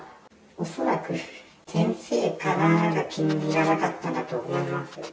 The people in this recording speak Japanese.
恐らく先生が気に入らなかったんだと思います。